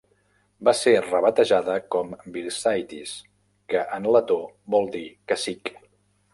Va ser rebatejada com Virsaitis, que en letó vol dir cacic.